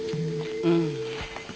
うん。